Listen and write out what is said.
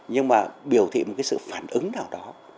nhưng mà biểu thị một cái sự phản ứng nào đó